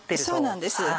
そうなんです。